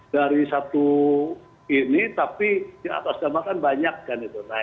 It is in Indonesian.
dari satu ini tapi di atas namakan banyak kan itu